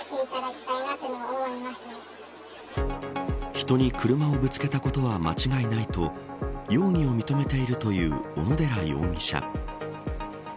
人に車をぶつけたことは間違いないと容疑を認めているという小野寺容疑者。